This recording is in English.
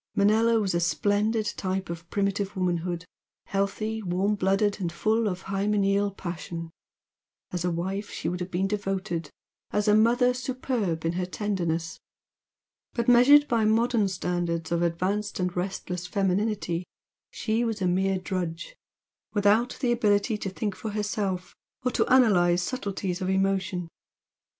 Manella was a splendid type of primitive womanhood, healthy, warm blooded and full of hymeneal passion, as a wife she would have been devoted, as a mother superb in her tenderness; but, measured by modern standards of advanced and restless femininity she was a mere drudge, without the ability to think for herself or to analyse subtleties of emotion.